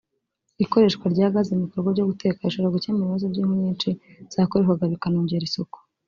Ikoreshwa rya gas mu bikorwa byo guteka rishobora gukemura ibibazo by’inkwi nyinshi zakoreshwaga bikanongera isuku